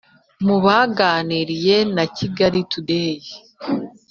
mu baganiriye na kigali today,